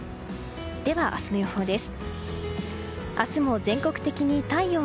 では、明日の予報です。